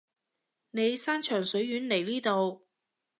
你山長水遠嚟呢度